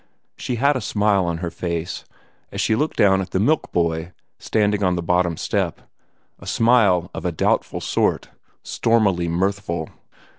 She had a smile on her face, as she looked down at the milk boy standing on the bottom step a smile of a doubtful sort, stormily mirthful.